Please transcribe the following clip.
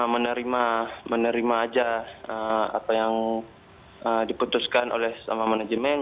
menerima menerima aja apa yang diputuskan oleh sama manajemen